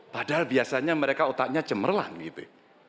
padahal biasanya mereka otaknya cemerlang gitu